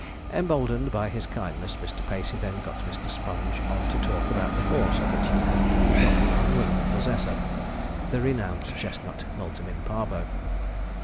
Emboldened by his kindness, Mr. Pacey then got Mr. Sponge on to talk about the horse of which he had become the unwilling possessor the renowned chestnut, Multum in Parvo.